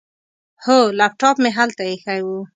هو، لیپټاپ مې هلته ایښی و.